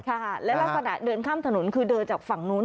และลักษณะเดินข้ามถนนคือเดินจากฝั่งนู้น